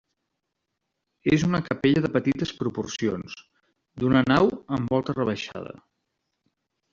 És una capella de petites proporcions, d'una nau, amb volta rebaixada.